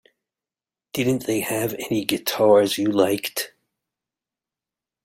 Didn't they have any guitars you liked?